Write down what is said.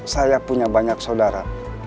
tapi semua masing masing aja